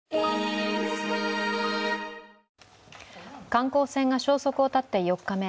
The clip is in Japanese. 観光船が消息を絶って４日目。